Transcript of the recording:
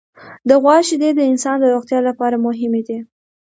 د غوا شیدې د انسان د روغتیا لپاره مهمې دي.